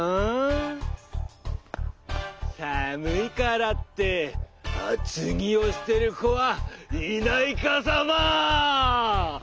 さむいからってあつぎをしてるこはいないかサマー！